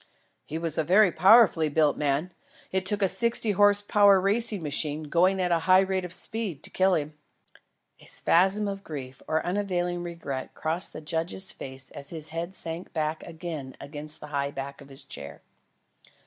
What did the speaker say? "He was a very powerfully built man. It took a sixty horse power racing machine, going at a high rate of speed, to kill him." A spasm of grief or unavailing regret crossed the judge's face as his head sank back again against the high back of his chair.